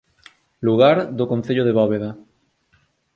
Lugar do Concello de Bóveda